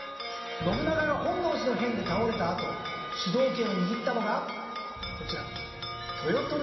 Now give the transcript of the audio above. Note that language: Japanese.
信長が本能寺の変で倒れたあと主導権を握ったのがこちら。